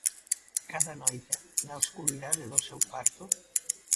Cada noite, na escuridade do seu cuarto.